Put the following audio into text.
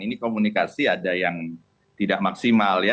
ini komunikasi ada yang tidak maksimal ya